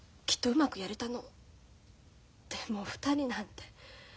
でも２人なんて。